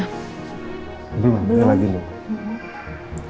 belum belum lagi belum